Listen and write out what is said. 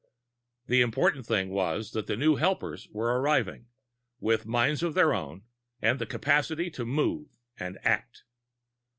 The important thing was that new helpers were arriving, with minds of their own and the capacity to move and act.